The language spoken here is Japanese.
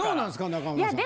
中村さん。